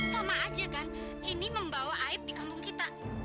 sama aja kan ini membawa aib di kampung kita